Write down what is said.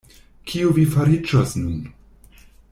Kio vi fariĝos nun?